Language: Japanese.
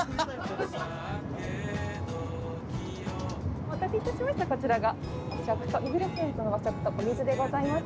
お待たせいたしましたこちらがリフレッシュメントの和食とお水でございます。